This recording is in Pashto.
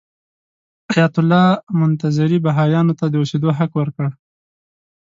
ایت الله منتظري بهايانو ته د اوسېدو حق ورکړ.